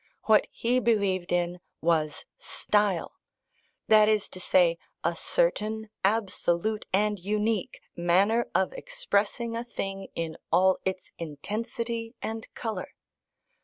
What he believed in was Style: that is to say, a certain absolute and unique manner of expressing a thing, in all its intensity and colour.